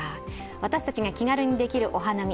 私たちが気軽にできるお花見